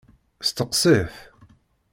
Steqsit!